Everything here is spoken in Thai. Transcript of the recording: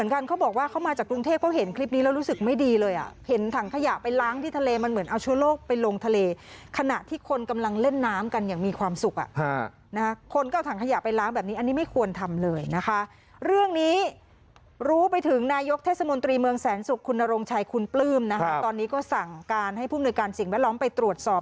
ถ้าคุณหาสั่งการให้ภูมิหน้าการเสียงแวดล้อมไปตรวจสอบ